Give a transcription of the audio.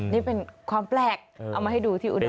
นี่เป็นความแปลกเอามาให้ดูที่อุดร